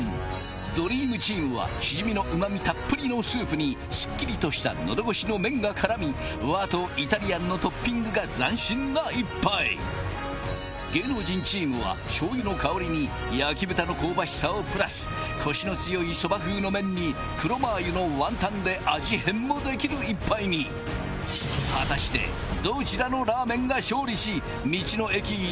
ドリームチームはしじみのうま味たっぷりのスープにすっきりとした喉越しの麺がからみ和とイタリアンのトッピングが斬新な一杯芸能人チームはしょう油の香りに焼き豚の香ばしさをプラスコシの強いそば風の麺に黒マー油のワンタンで味変もできる一杯に果たしてどちらのラーメンが勝利し道の駅いたこで商品化されるのか⁉